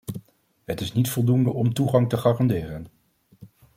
Het is niet voldoende om toegang te garanderen.